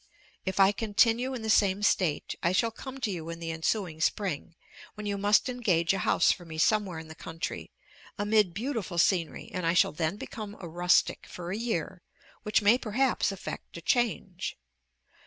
If I continue in the same state, I shall come to you in the ensuing spring, when you must engage a house for me somewhere in the country, amid beautiful scenery, and I shall then become a rustic for a year, which may perhaps effect a change.